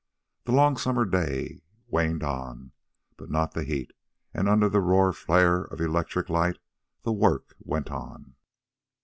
The long summer day waned, but not the heat, and under the raw flare of electric light the work went on.